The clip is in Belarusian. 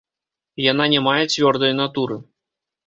Яна не мае цвёрдай натуры.